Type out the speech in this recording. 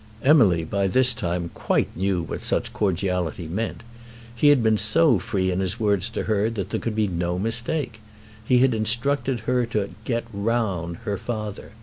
Emily by this time quite knew what such cordiality meant. He had been so free in his words to her that there could be no mistake. He had instructed her to "get round" her father.